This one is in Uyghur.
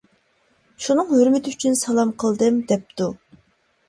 شۇنىڭ ھۆرمىتى ئۈچۈن سالام قىلدىم؟ -دەپتۇ.